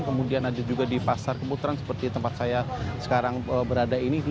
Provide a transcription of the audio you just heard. kemudian ada juga di pasar keputaran seperti tempat saya sekarang berada ini